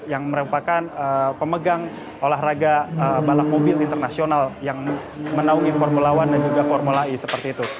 yang merupakan pemegang olahraga balap mobil internasional yang menaungi formula one dan juga formula e seperti itu